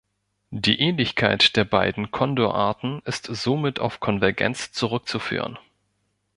Die Ähnlichkeit der beiden Kondor-Arten ist somit auf Konvergenz zurückzuführen.